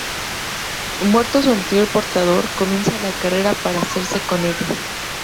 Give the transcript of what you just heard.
Muerto su anterior portador, comienza la carrera para hacerse con ella.